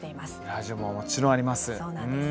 ラジオももちろんあります。